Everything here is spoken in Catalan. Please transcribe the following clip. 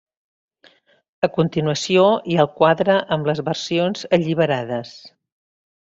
A continuació hi ha el quadre amb les versions alliberades.